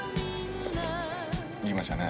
いきましたね。